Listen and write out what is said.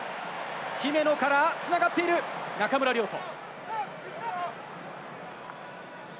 姫野からつながっている、中村亮土。